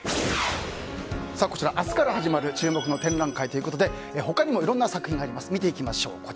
明日から始まる注目の展覧会ということで他にもいろんな作品があります。